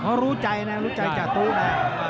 เขารู้ใจนะจาดตู้นะ